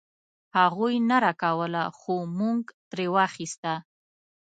هغوی نه راکوله خو مونږ ترې واخيسته.